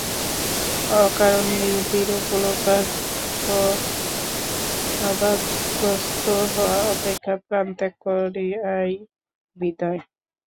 অকারণে এরূপ বিরূপ লোকারপবাদগ্রস্ত হওয়া অপেক্ষা প্রাণত্যাগ করাই বিধেয়।